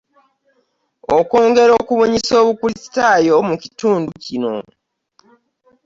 Okwongera okubunyisa obukulisitaayo mu kitundu kino